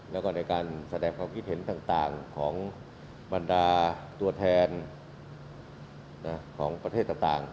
แล้วก็ในการแสดงความคิดเห็นต่างของบรรดาตัวแทนของประเทศต่าง